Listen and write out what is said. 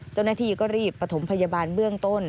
เจ้าหน้าที่ก็รีบประถมพยาบาลเบื้องต้น